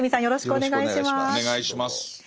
よろしくお願いします。